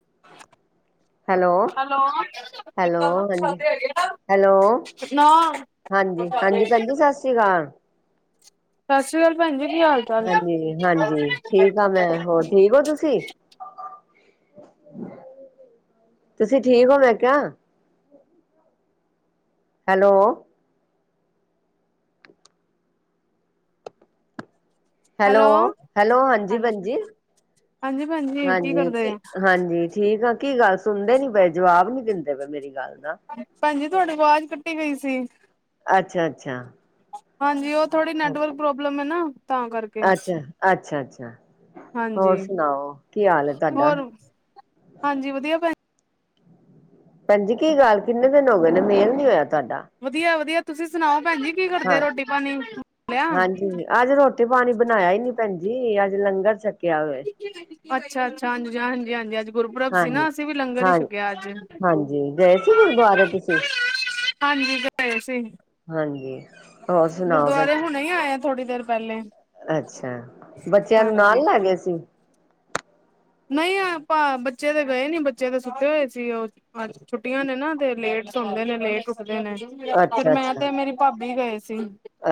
[inaudible] Hello hello hello ਨਾ ਹਾਂਜੀ, ਸਤਿ ਹੈਲੋ ਹਾਂਜੀ-ਹਾਂਜੀ ਭੈੰਜੀ, ਸਸ ਸ੍ਰੀ ਕਾਲ ਸ ਸ਼੍ਰੀ ਕਾਲ ਭੈਨ ਹਾਂਜੀ-ਹਾਂਜੀ ਠੀਕ ਆ ਮੈਂ, ਹੋਰ ਠੀਕ ਹੋ ਤੁਸੀਂ? ਤੁਸੀਂ ਠੀਕ ਹੋ ਮੈਂ ਕਿਹਾ? ਹੈਲੋ- ਹੈਲੋ ਹਾਂਜੀ ਹਾਂਜੀ ਭੈਣ ਜੀ ਕੀ ਕਰਦੇ ਹਾਂਜੀ-ਹਾਂਜੀ ਠੀਕ ਆ ਕੀ ਗੱਲ ਸੁਣਦੇ ਨੀ ਪਏ ਜਵਾਬ ਨੀ ਦਿੰਦੇ ਪਏ ਮੇਰੀ ਗੱਲ ਦਾ। ਭੈੰਜੀ ਤੁਹਾਡੀ ਵਾਜ਼ ਕੱਟੀ ਗਈ ਸੀ ਅੱਛਾ-ਅੱਛਾ ਹਾਂ ਅੱਛਾ- ਅੱਛਾ- ਅੱਛਾ। ਹਾਂਜੀ ਹੋਰ ਸੁਣਾਓ ਕੀ ਹਾਲ ਹੈ ਤੁਹਾਡਾ? ਹੋਰ ਹਾਂਜੀ ਵਧੀਆ ਭੈਣ ਭੈੰਜੀ ਕੀ ਗੱਲ ਕਿੰਨੇ ਦਿਨ ਹੋ ਗਏ ਨੇ ਮੇਲ ਨੀ ਹੋਇਆ? ਤੁਹਾਡਾ ਵਧੀਆ- ਵਧੀਆ ਤੁਸੀਂ ਸੁਣਾਓ? ਭੈਣ ਜੀ ਕੀ ਕਰਦੇ ਹਾਂ, ਰੋਟੀ ਪਾਣੀ ਲਿਆ ਹਾਂਜੀ, ਅੱਜ ਰੋਟੀ ਪਾਣੀ ਬਣਾਇਆ ਹੀ ਨੀ ਭੈਣਜੀ ਅਜ। ਲੰਗਰ ਚ। ਅੱਛਾ-ਅੱਛਾ ਹਾਂਜੀ- ਹਾਂਜੀ- ਹਾਂਜੀ ਅੱਜ। ਗੁਰਪੁਰਬ ਸੀ ਹਾਂਜੀ ਨਾ ਅਸੀਂ ਵੀ ਲੰਗਰ ਹੀ ਹਾਂ ਛਕਿਆ ਅੱਜ। ਹਾਂਜੀ ਗਏ ਸੀ ਗੁਰਦੁਆਰੇ ਤੁਸੀਂ ਹਾਂਜੀ ਗਏ ਸੀ। ਹਾਂਜੀ, ਹੋਰ ਸੁਣਾਓ ਭੈਣ ਜੀ? ਥੋੜੀ ਦੇਰ ਪਹਿਲੇ। ਅੱਛਾ, ਬੱਚਿਆਂ ਨੂੰ ਹਾਂਜੀ ਨਾਲ ਲੈ ਗਏ ਸੀ? ਨਹੀਂ ਆਪਾਂ ਬੱਚੇ ਤੇ ਗਏ ਨੀ ਬੱਚੇ ਤੇ ਸੁੱਤੇ ਹੋਏ ਸੀ। ਉਹ ਛੁੱਟੀਆਂ ਨੇ ਨਾ ਤੇ ਲੇਟ ਲੇਟ ਸੌਂਦੇ ਨੇ ਲੇਟ ਉੱਠਦੇ ਨੇ ਫੇਰ ਅੱਛਾ ਮੈਂ ਅੱਛਾ ਤੇ ਮੇਰੀ ਭਾਬੀ ਗਏ ਸੀ।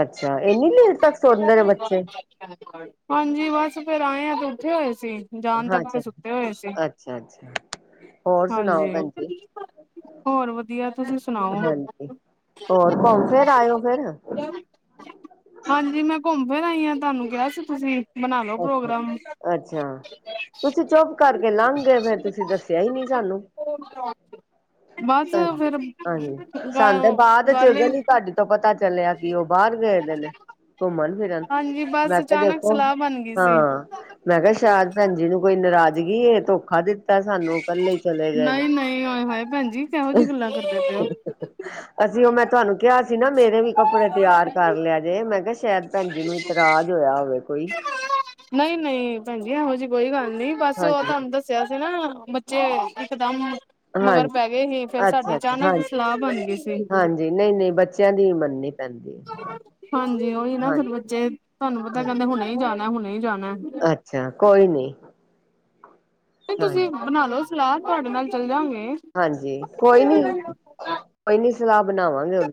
ਅੱਛਾ ਇੰਨੀ ਲੇਟ ਤੱਕ ਸੌਂਦੇ ਨੇ ਬੱਚੇ [unintelligible] ਹਾਂਜੀ ਬਸ ਫਿਰ ਆਏ ਆ ਤੇ ਉੱਠੇ ਹੋਏ ਸੀ ਜਾਣ ਦਾ ਅੱਛਾ ਸੁੱਤੇ ਹੋਏ ਸੀ ਅੱਛਾ ਅੱਛਾ ਹੋਰ ਸੁਣਾਓ ਹਾਂਜੀ। ਭੈਣ ਜੀ ਹੋਰ ਵਧੀਆ ਤੁਸੀਂ ਸੁਣਾਓ? ਹਾਂਜੀ ਹੋਰ ਘੁੰਮ ਫਿਰ ਆਏ ਹੋ ਫਿਰ? ਹਾਂਜੀ ਮੈਂ ਘੁੰਮ ਫਿਰ ਆਈ ਹਾਂ ।ਤੁਹਾਨੂੰ ਕਿਹਾ ਸੀ ਤੁਸੀ। ਬਣਾ ਲਓ ਅੱਛਾ ਪ੍ਰੋਗਰਾਮ। ਅੱਛਾ ਤੁਸੀਂ ਚੁੱਪ ਕਰਕੇ ਲੰਘ ਗਏ ਫੇਰ ਤੁਸੀਂ ਦੱਸਿਆ ਹੀ ਨਹੀ ਸਾਨੂੰ। ਬਸ ਫਿਰ। ਹਾਂਜੀ, ਸਾਨੂੰ ਤੇ ਬਾਅਦ ਚ ਗੱਲ ਗਲੀ ਤੁਹਾਡੀ ਤੋਂ ਪਤਾ ਚੱਲਿਆ ਕਿ ਉਹ ਬਾਹਰ ਗਏ ਦੇ ਨੇ। ਘੁੰਮਣ ਫਿਰਨ ਹਾਂਜੀ ਬਸ ਮੈਂ ਤੇ ਅਚਾਨਕ ਦੇਖੋ। ਸਲਾਹ ਬਣ ਗਈ ਸੀ ਹਾਂ, ਮੈਂ ਕਿਹਾ ਸ਼ਾਇਦ ਭੈਣ ਜੀ ਨੂੰ ਕੋਈ ਨਾਰਾਜ਼ਗੀ ਏ ਧੋਖਾ ਦਿੱਤਾ। ਤਾਂ ਸਾਨੂੰ ਇਕੱਲੇ ਚਲੇ ਗਏ ਨੇ। ਨਹੀਂ ਨਹੀਂ ਹਾਏ ਹਾਏ ਭੈਣ ਜੀ ਕਿਹੋ ਉਹ ਜਿਹੀ ਗੱਲਾਂ ਕਰਦੇ ਪਏ ਹੋ। ਮੈਂ ਤੁਹਾਨੂੰ ਕਿਹਾ ਸੀ। ਸੀ ਨਾ ਮੇਰੇ ਵੀ ਕੱਪੜੇ ਤਿਆਰ ਕਰ ਲਿਆ ਜੇ ਮੈਂ ਕਿਹਾ ਸ਼ਾਇਦ ਭੈਣ ਜੀ ਨੂੰ ਇਤਰਾਜ ਹੋਇਆ ਹੋਵੇ। ਕੋਈ ਨਹੀਂ ਨਹੀਂ ਭੈਣ ਜੀ ਇਹੋ ਜਿਹੀ ਕੋਈ ਗੱਲ ਨੀ ਬਸ ਉਹ ਹਾਂਜੀ ਤੁਹਾਨੂੰ ਦੱਸਿਆ ਸੀ ਨਾ। ਬੱਚੇ ਇਕਦਮ। ਮਗਰ ਹਾਂਜੀ ਪੈ ਗਏ ਹੀ ਫਿਰ ਅੱਛਾ ਸਾਡੀ ਅੱਛਾ ਅਚਾਨਕ ਹਾਂਜੀ ਸਲਾਹ ਬਣ ਗਈ ਸੀ। ਹਾਂਜੀ ਨਹੀਂ ਨਹੀਂ ਬੱਚਿਆਂ ਦੀ ਮੰਨਨੀ ਪੈਂਦੀ ਹੈ ਹਾਂਜੀ, ਉਹੀ ਨਾ ਫਿਰ ਹਾਂਜੀ ਬੱਚੇ ਤੁਹਾਨੂੰ ਪਤਾ ਕਹਿੰਦੇ ਹੁਣੇ ਹੀ ਜਾਣਾ ਹੁਣੇ ਹੀ ਜਾਣਾ। ਅੱਛਾ! ਕੋਈ ਨੀ। ਤੁਸੀਂ ਹਾਂਜੀ ਬਣਾ ਲਓ ਸਲਾਹ ਤੁਹਾਡੇ ਨਾਲ ਚੱਲ ਜਾਗੇ। ਹਾਂਜੀ, ਕੋਈ ਨੀ ਕੋਈ ਨੀ ਸਲਾਹ ਬਣਾਵਾਂਗੇ ਹੁਣ।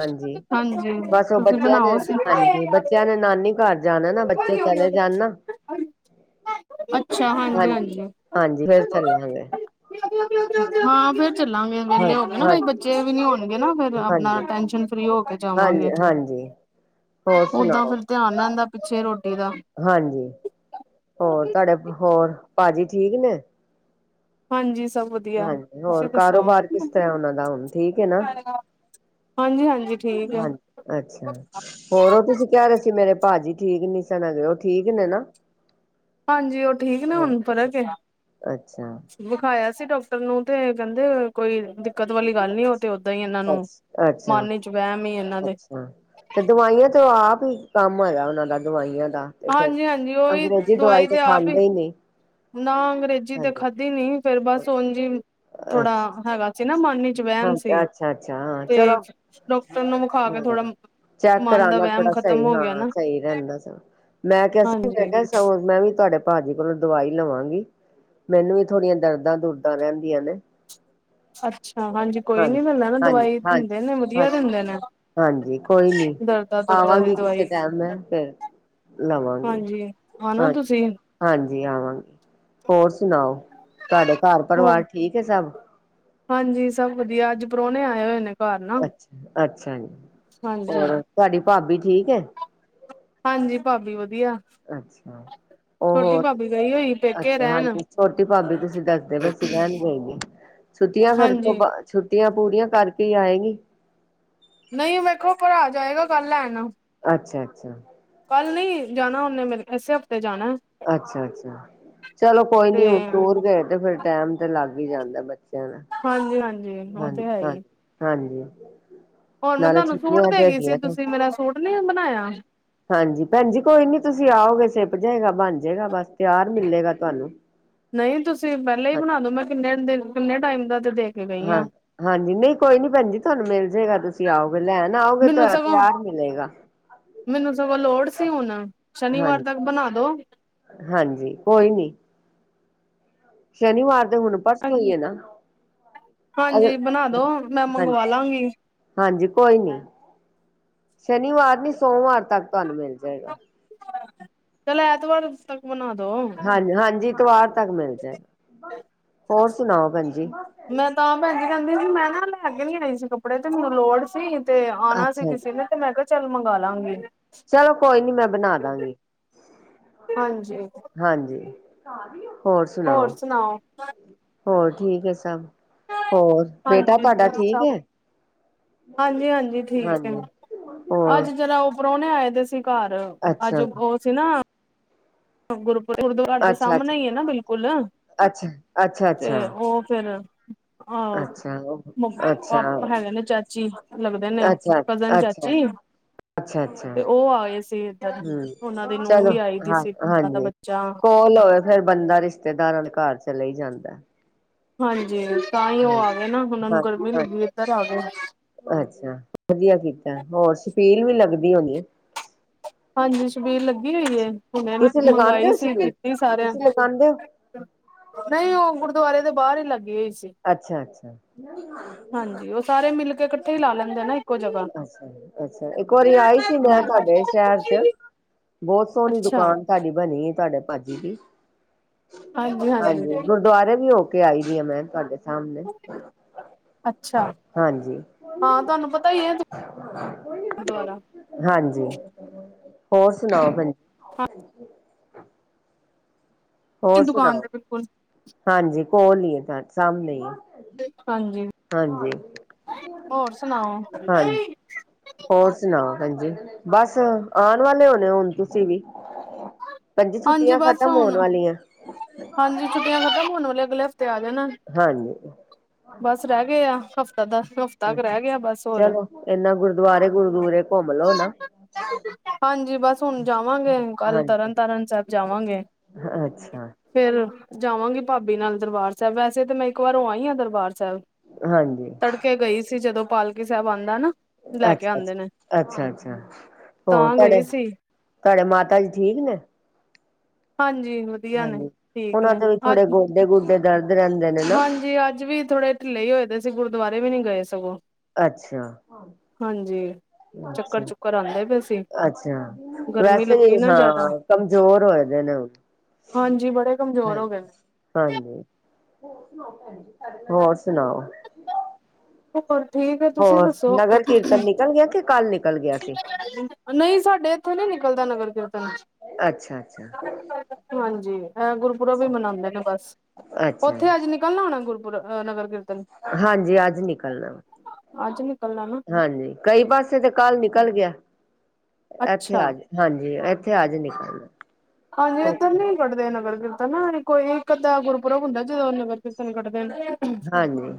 ਹਾਂਜੀ, ਹਾਂਜੀ ਬਸ ਉਹ ਤੁਸੀਂ ਬੱਚਿਆਂ ਨੇ ਬਣਾਓ ਹਾਂਜੀ ਸਲਾਹ। ਬੱਚਿਆਂ ਨੇ ਨਾਨੀ ਘਰ। ਜਾਣਾ ਨਾ, ਬੱਚੇ ਚਲੇ ਜਾਣ ਨਾ। ਹਾਂਜੀ -ਹਾਂਜੀ, ਫੇਰ ਚੱਲਾਗੇ। ਹਾਂ, ਫੇਰ। ਚੱਲਾਂਗੇ ਵਿਹਲੇ ਹੋ ਕੇ ਨਾ ਹਾਂ ਬੱਚੇ ਵੀ ਨੀ ਹੋਣਗੇ ਨਾ ਫੇਰ ਆਪਣਾ ਹਾਂਜੀ ਟੈਨਸ਼ਨ ਫਰੀ ਹੋ ਕੇ ਹਾਂਜੀ ਜਾਵਾਂਗੇ। ਹਾਂਜੀ। ਹੋਰ ਓਦਾਂ ਸੁਣਾਓ ਫੇਰ ਧਿਆਨ ਰਹਿੰਦਾ ਪਿੱਛੇ ਰੋਟੀ ਦਾ ਹਾਂਜੀ, ਹੋਰ ਤੁਹਾਡੇ, ਹੋਰ ਭਾਜੀ ਠੀਕ ਨੇ? ਹਾਂਜੀ। ਸਭ ਵਧੀਆ, ਹਾਂਜੀ ਹੋਰ ਤੁਸੀਂ ਦੱਸੋ? ਕਾਰੋਬਾਰ ਕਿਸ ਤਰ੍ਹਾਂ ਉਹਨਾਂ ਦਾ ਹੁਣ ਠੀਕ ਹਾਂਜੀ- ਹਾਂਜੀ। ਠੀਕ ਹੈ ਹਾਂ, ਅੱਛਾ ਹੋਰ ਉਹ ਤੁਸੀਂ ਕਹਿ ਰਹੇ ਸੀ ਮੇਰੇ ਭਾਜੀ । ਠੀਕ ਨੀ ਸਨ ਹੈਗੇ, ਉਹ ਠੀਕ ਨੇ ਨਾ? ਹਾਂਜੀ, ਉਹ ਠੀਕ ਨੇ ਹੁਣ, ਅੱਛਾ ਫਰਕ ਏ? ਅੱਛਾ ਵਿਖਾਇਆ ਸੀ ਡਾਕਟਰ। ਨੂੰ ਤੇ ਕਹਿੰਦੇ ਕੋਈ। ਦਿੱਕਤ ਵਾਲੀ ਗੱਲ ਨੀ ਉਹ ਤੇ ਓਦਾਂ ਹੀ ਇਹਨਾਂ ਨੂੰ, ਅੱਛਾ ਮਨ ਵਿਚ ਵਹਿਮ ਐ। ਅੱਛਾ, ਤੇ ਦਵਾਈਆਂ ਤੇ ਆਪ ਹੀ ਕੰਮ ਹੋਇਆ ਉਹਨਾਂ ਦਾ ਦਵਾਈਆਂ। ਤੇ ਫਿਰ ਹਾਂਜੀ ਹਾਂਜੀ ਉਹੀ ਅੰਗਰੇਜ਼ੀ ਦਵਾਈ ਤਾਂ ਤੇ ਆਪ ਖਾਂਦੇ ਹੀ ਨਹੀਂ, ਨਾ ਅੰਗਰੇਜ਼ੀ ਤੇ ਹਾਂਜੀ ਖਾਧੀ ਨਹੀਂ ਫੇਰ ਬਸ ਓਜ ਈ। ਥੋੜਾ ਅੱਛਾ ਹੈਗਾ ਸੀ, ਅੱਛਾ ਨਾ ਮਨ ਚ ਹਾਂ ਵਹਿਮ ਸੀ, ਅੱਛਾ ਅੱਛਾ ਹਾਂ ਚਲੋ ਤੇ ਡਾ ਹਾਂ, ਚੈੱਕ ਦਾ ਕਰਾਣਾ ਵਹਿਮ ਥੋੜਾ ਖ਼ਤਮ ਸਹੀ ਹੋ ਗਿਆ ਹਾਂ ਨਾ ਸਹੀ ਰਹਿੰਦਾ ਸਗੋ। ਮੈਂ ਕਿਹਾ ਸੀ, ਮੈਂ ਹਾਂਜੀ ਕਿਹਾ ਸਗੋ ਮੈਂ ਵੀ ਤੁਹਾਡੇ ਭਾਜੀ ਕੋਲੋਂ ਦਵਾਈ ਲਵਾਂਗੀ, ਮੈਨੂੰ ਵੀ ਥੋੜੀਆਂ ਦਰਦਾਂ-ਦੁਰਦਾਂ ਰਹਿੰਦੀਆਂ ਨੇ, ਅੱਛਾ-ਅੱਛਾ ਹਾਂਜੀ, ਕੋਈ ਨੀ ਮੈ ਲੈ ਨਾ ਹਾਂਜੀ ਦਵਾਈ, ਹਾਂਜੀ ਦਿੰਦੇ ਨੇ ਵਧੀਆ ਹਾਂਜੀ ਦਿੰਦੇ ਨੇ। ਹਾਂਜੀ, ਕੋਈ ਨੀ ਦਰਦਾਂ ਦੁਰਦਾਂ ਦੀ ਆਵਾਂਗੀ ਕਿਸੇ ਦਵਾਈ ਟਾਈਮ ਮੈਂ ਫਿਰ। ਲਵਾਂਗੇ ਹਾਂਜੀ ਆਨਾ ਹਾਂ ਤੁਸੀਂ ਹਾਂਜੀ ਆਵਾਂਗੇ। ਹੋਰ ਸੁਣਾਓ? ਤੁਹਾਡੇ ਘਰ ਹੋ ਪਰਿਵਾਰ ਠੀਕ ਹੈ ਸਭ? ਹਾਂਜੀ, ਸਭ ਵਧੀਆ ਅੱਜ ਪ੍ਰੋਹਣੇ ਆਏ ਹੋਏ ਨੇ। ਘਰ ਨਾ ਅੱਛਾ-ਅੱਛਾ ਜੀ, ਹਾਂਜੀ ਹੋਰ ਤੁਹਾਡੀ ਭਾਬੀ ਠੀਕ ਹੈ? ਹਾਂਜੀ, ਭਾਬੀ ਵਧ ਅੱਛਾ, ਉਹ ਭਾਬੀ ਗਈ ਹੋਈ ਪੇਕੇ ਅੱਛਾ ਰਹਿਣ ਹਾਂਜੀ ਛੋਟੀ ਭਾਬੀ ਤੁਸੀਂ ਦੱਸਦੇ ਪੇ ਸੀਂ ਰਹਿਣ ਗਈ ਹੈ। ਛੁੱਟੀਆਂ ਫਿਰ ਤੋਂ ਹਾਂਜੀ ਬਾ ਛੁੱਟੀਆਂ ਪੂਰੀਆਂ ਕਰਕੇ ਹੀ ਆਏਗੀ। ਨਹੀਂ ਵੇਖੋ ਭਰਾ ਜਾਏਗਾ ਕੱਲ ਲੈਣ, ਅੱਛਾ-ਅੱਛਾ, ਕੱਲ ਨਹੀਂ ਜਾਨਾ ਉਹਨੇ ਮੈ ਐਸੇ, ਅੱਛਾ- ਅੱਛਾ, ਚਲੋ ਕੋਈ ਤੇ ਨੀ ਹੁਣ ਦੂਰ ਗਏ ਤੇ ਫਿਰ ਟੈਮ ਤੇ ਲੱਗ ਹੀ ਜਾਂਦਾ ਬੱਚਾ ਹਾਂਜੀ ਹਾਂਜੀ ਉਹ ਹਾਂਜੀ-ਹਾਂਜੀ-ਹਾਂਜੀ, ਉਹ ਮੈਂ ਨ ਤੁਹਾਨੂੰ ਸੂਟ ਦੇਗੀ ਸੀ, ਹੈਗੀਆਂ ਨੇ ਤੁਸੀਂ ਮੇਰਾ ਸੂਟ ਨੀ ਬਣਾਇਆ? ਹਾਂਜੀ, ਭੈਣਜੀ ਕੋਈ ਨੀ ਤੁਸੀਂ, ਆਓਗੇ ਸਿਪ ਜਾਏਗਾ ਬਣ ਜਾਏਗਾ ਬਸ ਤਿਆਰ ਮਿਲੇਗਾ ਤੁਹਾਨੂੰ। ਨਹੀਂ ਤੁਸੀਂ ਪਹਿਲਾਂ ਹੀ ਹਾਂ ਬਣਾ ਦੋ ਮੈਂ ਕਿੰਨੇ ਦਿਨ, ਕਿੰਨੇ ਟਾਈਮ ਦਾ ਤੇ ਦੇ ਕੇ ਗਈ ਹਾਂ ਆ ਹਾਂਜੀ ਨਹੀਂ ਕੋਈ ਨੀ ਭੈਣ ਜੀ, ਤੁਹਾਨੂੰ ਮਿਲ ਜਾਏਗਾ ਤੁਸੀਂ ਆਓ। ਲੈਨ ਆਓਗੇ, ਮੈਨੂੰ ਤੁਹਾਡਾ ਸਗੋਂ ਤਿਆਰ ਮਿਲੇਗਾ। ਮੈਨੂੰ ਸਗੋਂ ਲੋੜ ਸੀ ਹੁਣ, ਸ਼ਨੀਵਾਰ ਹਾਂਜੀ ਤੱਕ ਬਣਾ ਦੋ। ਹਾਂਜੀ ਕੋਈ ਨਹੀ। ਸ਼ਨੀਵਾਰ ਤੇ ਹੁਣ ਪਰਸੋ ਈ ਹੈ ਨਾ। ਹਾਂਜੀ ਅਗਰ ਬਣਾ ਦੋ, ਮੈਂ ਹਾਂਜੀ ਮੰਗਵਾ ਲਾਂਗੀ। ਹਾਂਜੀ ਕੋਈ ਨੀ ਸ਼ਨੀਵਾਰ ਨੀ ਸੋਮਵਾਰ ਤੱਕ ਤੁਹਾਨੂੰ ਮਿਲ ਜਾਏਗਾ। ਚਲ ਐਤਵਾਰ, ਬਣਾ ਦੋ ਹਾਂਜੀ-ਹਾਂਜੀ, ਐਤਵਾਰ ਤੱਕ ਮਿਲ ਜਾਏਗਾ, ਹੋਰ ਸੁਣਾਓ ਭੈਣਜੀ? ਮੈਂ ਤਾਂ ਭੈਣਜੀ ਕਹਿੰਦੀ ਸੀ, ਮੈਂ ਨਾ ਲੈ ਕੇ ਨੀ ਆਈ ਸੀ ਕੱਪੜੇ ਤੇ ਮੈਨੂੰ ਲੋੜ ਸੀ। ਤੇ ਆਣਾ ਸੀ ਅੱਛਾ ਕਿਸੇ ਨੇ, ਤੇ ਮੈਂ ਕਿਹਾ ਚੱਲ ਮੰਗ ਲਾਂਗੀ। ਚਲੋ ਕੋਈ ਨੀ ਮੈਂ ਬਣਾ ਦਾਂਗੀ। ਹਾਂਜੀ ਹਾਂਜੀ, ਹੋਰ ਸੁਣਾਓ? ਹੋਰ ਠੀਕ ਹੈ, ਸਭ ਹੋਰ ਬੇਟਾ ਤੁਹਾਡਾ ਠੀਕ ਐ? ਹਾਂਜੀ-ਹਾਂਜੀ ਠੀਕ ਹੈ, ਹੋਰ ਅੱਜ ਜਰਾ ਉਹ ਪ੍ਰਾਹੁਣੇ ਆਏ ਦੇ ਸੀ, ਘਰ ਅੱਜ ਅੱਛਾ ਉਹ ਸੀ ਨਾ ਗੁਰ ਗੁਰਦੁਆਰ ਦੇ ਅੱਛਾ ਸਾਹਮਣੇ ਅੱਛਾ ਹੀਈ ਹੈ, ਨਾ ਬਿਲਕੁਲ ਅੱਛਾ ਅੱਛਾ ਤੇ ਉਹ ਫਿਰ ਅੱਛਾ ਆਹ ਅੱਛਾ ਅੱਛਾ ਪਾਪ ਹੈਗੇ ਨੇ ਚਾਚੀ ਲੱਗਦੇ, ਨੇ ਅੱਛਾ ਕਜ਼ਨ ਅੱਛਾ ਚਾਚੀ ਅੱਛਾ ਅੱਛਾ ਤੇ ਉਹ ਆਏ ਸੀ, ਇਦਰ ਹਮ ਉਹਨਾਂ ਦੀ ਨੂੰਹ ਚਲੋ ਵੀ ਆਈ ਹਾਂ ਸੀ। ਉਹਨਾਂ ਦਾ ਹਾਂਜੀ, ਬੱਚਾ ਕੋਲ ਹੋਵੇ ਫਿਰ ਬੰਦਾ ਰਿਸ਼ਤੇਦਾਰਾਂ ਘਰ ਚਲੇ ਹੀ ਜਾਂਦਾ। ਹਾਂਜੀ। ਤਾਂ, ਹੀ 'ਉਹ ਹਾਂਜੀ ਆਗੇ ਨਾ, ਉਹਨਾਂ ਨੂੰ ਹਾਂ ਗਰਮੀ ਲੱਗੀ ਇੱਧਰ ਆਗੇ। ਅੱਛਾ! ਵਧੀਆ ਕੀਤਾ, ਹੋਰ, ਛਪੀਲ ਵੀ ਲੱਗਦੀ ਹੋਣੀ? ਬੀਲ ਲੱਗੀ ਹੋਈ ਏ, ਹੁਣੇ ਤੁਸੀਂ ਲਗਾਉਂਦੇ ਮੰਗਾਈ ਹੋ ਸੀ ਛਪੀਲ ਦਿੱਤੀ ਸਾਰਿਆਂ ਤੁਸੀਂ ਲਗਾਉਂਦੇ ਹੋ ਨਹੀਂ, ਉਹ ਗੁਰਦੁਆਰੇ ਦੇ ਬਾਹਰ ਹੀ ਲੱਗੀ ਹੋਈ ਸੀ। ਅੱਛਾ ਅੱਛਾ ਹਾਂਜੀ, ਉਹ ਸਾਰੇ ਮਿਲਕੇ ਇਕੱਠੇ ਹੀ, ਲਾ ਲੈਂਦੇ ਨਾ ਇੱਕੋ ਜਗ੍ਹਾ ਅੱਛਾ- ਅੱਛਾ! ਇੱਕ ਵਾਰੀ ਆਈ ਸੀ ''ਮੈਂ ਤੁਹਾਡੇ ਸ਼ਹਿਰ ਸ਼ਹਿਰ'ਚ! ਬਹੁਤ ਸੋਹਣੀ ਅੱਛਾ ਦੁਕਾਨ ਤੁਹਾਡੀ ਬਣੀ ਏ, ਤੁਹਾਡੇ ਭਾਜੀ ਦੀ। ਹਾਂਜੀ। ਗੁਰਦੁਆਰੇ ਵੀ, ਹੋਕੇ ਆਈ ਦੀ ਆ, ਮੈਂ ਤੁਹਾਡੇ ਸਾਹਮਣੇ ਅੱਛਾ! ਹਾਂਜੀ ਹਾਂ, ਤੁਹਾਨੂੰ ਪਤਾ ਹੀ ਹੈ ਦੁਆਰਾ ਹਾਂਜੀ ਹੋਰ, ਸੁਣਾਓ? ਭੈਂਜੀ! ਹੋਰ, ਦੁਕਾਨ ਸੁਣਾਓ? ਤੇ ਬਿਲਕੁਲ ਹਾਂਜੀ! ਕੋਲ ਈਏ, ਹਾਂ। ਸਾਹਮਣੇ ਈ ਹਾਂਜੀ। ਹੋਰ, ਸੁਣਾਓ? ਹਾਂਜੀ ਹੋਰ, ਸੁਣਾ? ਹਾਂਜੀ। ਬੱਸ! ਆਉਣ ਵਾਲੇ ਹੋਣੇ ਹੁਣ, ਤੁਸੀਂ ਵੀ। ਪੰਜ ਹਾਂਜੀ ਛੁੱਟੀਆਂ ਬਸ ਖਤਮ ਹੁਣ ਹੋਣ ਵਾਲੀਆਂ। ਹਾਂਜੀ। ਛੁੱਟੀਆਂ ਖਤਮ ਹੋਣ ਵਾਲਲੇ, ਅਗਲੇ ਹਫ਼ਤੇ ਆ ਜਾਣਾ। ਹਾਂਜੀ ਬਸ ਰਹਿ ਗਏ ਆ ਤਾਂ, ਦਸ ਹਫ਼ਤਾ ਕੁ ਅੱਛਾ ਰਹਿ ਗਿਆ, ਬਸ! ਹੋਰ ਚਲੋ ਇਨਾ ਗੁਰਦੁਆਰੇ ਗੁਰਦੁਆਰੇ ਘੁੰਮ ਲੋੋ ਨਾ ਹਾਂਜੀ। ਬਸ ਹੁਣ ਜਾਵਾਂਗੇ, ਕੱਲ ਹਾਂਜੀ ਤਰਨ ਤਾਰਨ ਸਾਹਿਬ ਜਾਵਾਂਗੇ। ਅੱਛਾ। ਫੇਰ, ਜਾਵਾਂਗੀ ਭਾਬੀ ਨਾਲ ਦਰਬਾਰ ਸਾਹਿਬ ਵੈਸੇ ਤੇ, ਮੈਂ ਇੱਕ ਵਾਰ ਹੋ ਆਈ ਆ, ਦਰਬਾਰ ਅੱਛਾ! ਹਾਂਜੀ ਤੜਕੇ ਗਈ ਸੀ, ਜਦੋਂ ਪਾਲਕੀ ਸਾਹਿਬ ਆਂਦਾ ਨਾ ਲੈ ਕੇ ਅੱਛਾ- ਆਉਂਦੇ ਨੇ ਅੱਛਾ, ਅੱਛਾ, ਅੱਛਾ, ਹੋਰ, ਤਾਂ ਤੁਹਾਡੇ ਗਈ ਸੀ ਤੁਹਾਡੇ ਮਾਤਾ ਜੀ ਠੀਕ ਨੇ, ਹਾਂਜੀ, ਵਧੀਆ ਨੇ। ਹਾਂਜੀ ਠੀਕ ਉਹਨਾਂ ਨੇ। ਦੇ ਵੀ ਥੋੜੇ ਅੱਜ ਗੋਡੇ ਗੋਡੇ ਦਰਦ ਰਹਿੰਦੇ ਨੇ ਨਾ ਹਾਂਜੀ। ਅੱਜ ਵੀ ਥੋੜੇ ਢਿੱਲੇ ਹੀ ਹੋਏ ਦੇ ਸੀ, ਗੁਰਦੁਆਰੇ ਵੀ ਨੀ ਗਏ ਸਗੋਂ। ਅੱਛਾ! ਹਾਂਜੀ ਚੱਕਰ ਅੱਛਾ, ਚੁੱਕਰ ਆਉਂਦੇ ਪਏ ਸੀ ਅੱਛਾ! ਗਰਮੀ ਵੈਸੇ, ਲੱਗੀ ਨਾ ਜ਼ਿਆਦਾ ਹਾਂ! ਕਮਜ਼ੋਰ ਹੋਏ ਦੇਆ। ਹੈਲੋ! ਹਾਂਜੀ ਬੜੇ ਕਮਜ਼ੋਰ ਹੋ ਗਏ ਨੇ ਹਾਂਜੀ। ਹੋਰ, ਸੁਣਾਓ? ਹੋਰ ਠੀਕ ਏ। ਤੁਸੀਂ ਹੋਰ ਦੱਸੋ? ਨਗਰ ਕੀਰਤਨ ਨਿਕਲ ਗਿਆ ਕਿ ਕੱਲ ਨਿਕਲ ਗਿਆ ਸੀ ਨਹੀਂ, ਸਾਡੇ ਇੱਥੋਂ ਨੀ ਨਿਕਲਦਾ ਨਗਰ ਕਿਰ ਅੱਛਾ ਅੱਛਾ ਹਾਂਜੀ। ਇਹ ਗੁਰਪੁਰਬ ਈ, ਮਨਾਉਂਦੇ ਨੇ ਬਸ! ਅੱਛਾ ਉੱਥੇ, ਅੱਜ ਨਿਕਲਣਾ ਹੋਣਾ ਗੁਰਪੁਰ, ਆਂ, ਨਗਰ ਕੀਰ ਹਾਂਜੀ। ਅੱਜ ਨਿਕਲਣਾ। ਅੱਜ ਨਿਕਲਣਾ ਨਾ ਹਾਂਜੀ! ਕਈ ਪਾਸੇ ਤੇ ਕੱਲ ਨਿਕਲ ਗਿਆ, ਐਥੇ ਅੱਛਾ ਆਜ ਹਾਂਜੀ। ਐਥੇ ਆਜ ਨਿਕਲ ਹਾਂਜੀ, ਇੱਧਰ ਨੀ ਕੱਢਦੇ ਨਗਰ ਕੀਰਤਨ, ਕੋਈ ਇੱਕ-ਅੱਧਾ ਗੁਰਪੁਰਬ ਹੁੰਦਾ, ਜਦੋਂ ਨਗਰ- ਕੀਰਤਨ ਕੱਢ [inaudible] ਹਾਂਜੀ,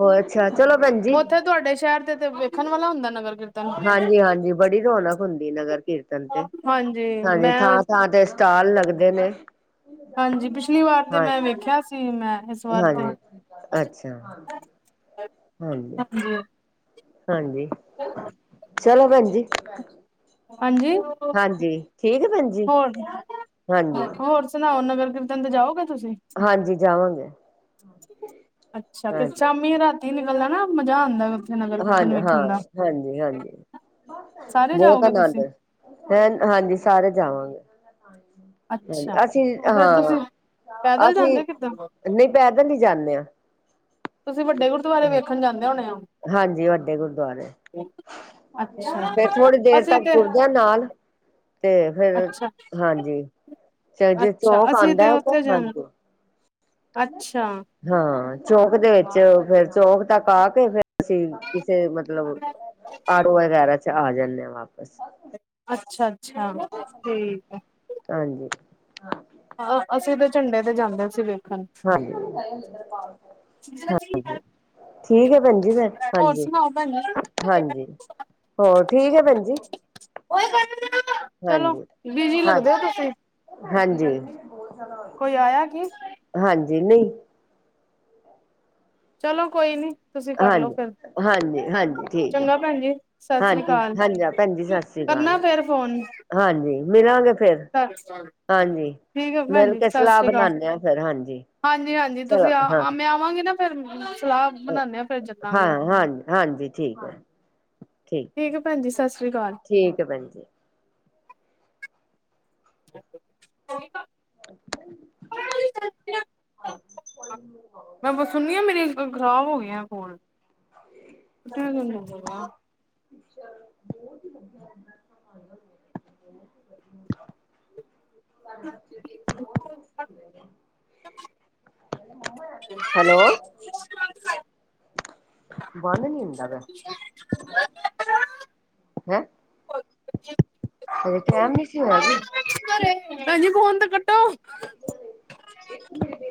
ਹੋਰ ਅੱਛਾ ਚਲੋ ਭੈਣ ਜੀ ਉੱਥੇ, ਤੁਹਾਡੇ ਸ਼ਹਿਰ ਤੇ, ਤੇ ਵੇਖਣ ਵਾਲਾ ਹੁੰਦਾ ਨਗਰ ਕੀਰਤਨ। ਹਾਂਜੀ- ਹਾਂਜੀ। ਬੜੀ ਰੌਣਕ ਹੁੰਦੀ ਨਗਰ ਕੀਰਤਨ ਤੇ, ਹਾਂਜੀ ਹਾਂਜੀ। ਮੈਂ ਥਾਂ-ਥਾਂ ਤੇ, ਸਟਾਲ ਲਗਦੇ ਨੇ। ਹਾਂਜੀ। ਪਿਛਲੀ ਵਾਰ ਤੇ, ਹਾਂ ਮੈਂ ਵੇਖਿਆ ਸੀ ''ਮੈਂ ਇਸ ਵਾਰ ਤੇ ਹਾਂਜੀ ਅੱਛਾ ਹਾਂਜੀ। ਹਾਂਜੀ। ਹੋਰ ਚਲੋ, ਭੈਣ ਜੀ ਹਾਂਜੀ! ਹਾਂਜੀ ਠੀਕ ਹੈ ਭੈਣ ਜੀ ਹੋਰ- ਹਾਂਜੀ-ਹਾਂਜੀ ਹੋਰ ਸੁਣਾਓ? ਨਗਰ ਕੀਰ ਤਨ ਤੇ, ਜਾਓਗੇ? ਤੁਸੀਂ? ਹਾਂਜੀ, ਜਾਵਾਂਗੇ। ਅੱਛਾ। ਫੇ, ਹਾਂਜੀ ਸ਼ਾਮੀ ਰਾਤੀ ਨਿਕਲਨਾ ਨਾ, ਮਜਾ ਆਂਦਾ ਨਗਰ ਹਾਂ, ਕੀਰਤਨ ਹਾਂ, ਵੇਖਣ ਦਾ। ਹਾਂਜੀ- ਹਾਂਜੀ! ਸਾਰੇ ਬਹੁਤ ਜਾਓਗੇ ਆਨੰਦ ਤੁਸੀਂ ਹੈਂ, ਹਾਂਜੀ ਸਾਰੇ ਜਾਵਾਂਗੇ, ਹਾਂਜੀ, ਅੱਛਾ ਅਸੀਂ ਤੇ ਫੇਰ ਹਾਂ ਤੁਸੀਂ ਪੈਦਲ ਅਸੀਂ, ਜਾਂਦੇ ਕਿੱਦਾਂ? ਨਹੀਂ ਪੈਦਲ ਹੀ ਜਾਂਨੇ ਆਂ। ਤੁਸੀਂ ਵੱਡੇ ਗੁਰਦੁਆਰੇ ਵੇਖਣ ਜਾਂਦੇ ਹੋਣੇ ਹੋ। ਹਾਂਜੀ ਵੱਡੇ ਗੁਰਦੁਆਰੇ। ਅੱਛਾ ਫੇਰ ਥੋੜੀ ਦੇਰ ਅਸੀਂ ਤੱਕ ਤੇ ਤੁਰਦੇ ਆਂ ਨਾਲ। ਤੇ ਫੇਰ, ਅੱਛਾ ਹਾਂਜੀ। ਚਲੋ ਜੇ ਅੱਛਾ ਚੌਂਕ ਅਸੀਂ ਆਉਂਦਾ ਤੇ ਹੈ, ਔਥੇ ਉੱਥੇ ਖੱਲ ਜਾਣਾ ਜਾਔ। ਅੱਛਾ ਚੌਂਕ ਦੇ ਵਿੱਚ, ਫੇਰ ਚੌਂਕ ਤੱਕ ਆ ਕੇ, ਫੇਰ ਅਸੀਂ ਕਿਸੇ, ਮਤਲਬ ਆਟੋ ਵਗੈਰਾ ਚ ਆ ਜਾਂਨੇ ਆ ਵਾਪਸ। ਅੱਛਾ ਅੱਛਾ ਠੀਕ ਐ। ਹਾਂਜੀ ਹਾ, ਅਸੀਂ ਤੇ ਝੰਡੇ ਤੇ ਜਾਂਦੇ ਸੀਗੇ। ਹਾਂਜੀ ਹਾਂਜੀ ਠੀਕ ਹੈ ਭੈਣ ਜੀ ਫੇਰ, ਹੋਰ ਹਾਂਜੀ ਸੁਣਾਓ ਭੈਣ ਜੀ ਹਾਂਜੀ। ਹੋਰ, ਠੀਕ ਹੈ ਭੈਣਜੀ [inaudible] ਚਲੋ ਬਿਜੀ ਹਾਂ ਲੱਗਦੇ ਹੋ ਤੁਸੀਂ। ਹਾਂਜੀ, ਕੋਈ ਆਇਆ ਕੀ ਹਾਂਜੀ ਨਹੀਂ ਚਲੋ ਕੋਈ ਨੀ, ਤੁਸੀਂ ਕਰਲੋ ਹਾਂਜੀ ਫਿਰ। ਹਾਂਜੀ ਹਾਂਜੀ ਠੀਕ ਆ ਚੰਗਾ ਭੈਣ ਜੀ ਸਤਿ ਸ੍ਰੀ ਹਾਂਜੀ ਅਕਾਲ ਹਾਂਜੀ, ਭੈਣ ਜੀ ਸਤਿ ਸ੍ਰੀ ਅਕਾਲ। ਕਰਨਾ ਫੇਰ ਫੋਨ ਹਾਂਜੀ ਮਿਲਾਂਗੇ ਫੇਰ, ਹਾਂਜੀ ਠੀਕ ਆ ਭੈਣ ਮਿਲ ਜੀ ਕੇ ਸਤਿ ਸਲਾਹ ਸ੍ਰੀ ਅਕਾਲ ਬਣਾਨੇ ਹਾ ਫੇਰ, ਹਾਂਜੀ। ਹਾਂਜੀ-ਹਾਂਜੀ ਚਲੋ ਤੁਸੀਂ ਹਾਂ, ਆ ਮੈਂ ਆਵਾਂਗੀ ਨਾ ਫਿਰ ਸਲਾਹ ਬਣਾਨੇ ਆ ਫਿਰ ਚੱਲਾਂਗੇ ਹਾਂ ਹਾਂਜੀ ਹਾਂਜੀ, ਠੀਕ ਹੈ। [inaudible] ਠੀਕ ਹੈ, ਭੈਣਜੀ ਸਤਿ ਸ੍ਰੀ ਅਕਾਲ ਠੀਕ ਹੈ, ਭੈਣ ਜੀ [inaudible] [unintelligible] [inaudible] ਖਰਾਬ ਹੋ ਗਿਆਂ ਐ, ਫੋਨ। [unintelligible] [inaudible] ਹੈਲੋ ਬੰਦ ਨੀ ਹੁੰਦਾ ਪਯਾ। ਹੈਂ ਹਾਲੇ ਟਾਇਮ ਨੀ ਸੀ ਹੋਯਾ ਕੇ। ਹਾਂਜੀ ਫੋਨ ਤੇ ਕਟ ਦੇ